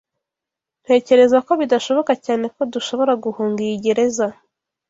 Ntekereza ko bidashoboka cyane ko dushobora guhunga iyi gereza.